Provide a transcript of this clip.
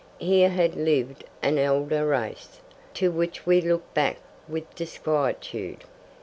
Here had lived an elder race, to which we look back with disquietude.